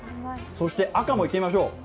そして赤もいってみましょう。